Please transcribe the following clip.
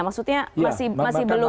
maksudnya masih belum